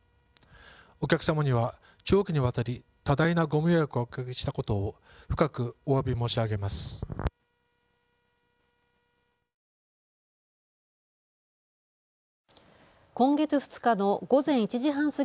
お客様には長期にわたり多大なご迷惑をおかけしたことを深くおわび申し上げます。